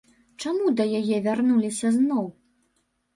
Чаму да яе вярнуліся зноў?